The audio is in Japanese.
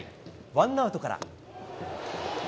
ワンアウトから。